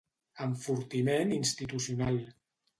Enfortiment institucional.